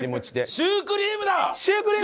シュークリームだ！